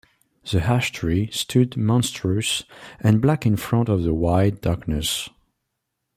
The ash-tree stood monstrous and black in front of the wide darkness.